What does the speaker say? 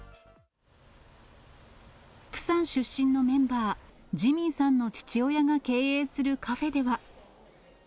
プサン出身のメンバー、ＪＩＭＩＮさんの父親が経営するカフェでは。